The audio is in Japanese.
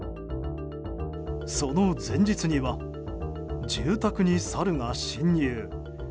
その前日には住宅にサルが侵入。